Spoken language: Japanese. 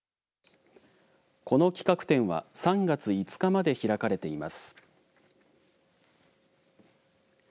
この企画展は３月５日まで開かれています。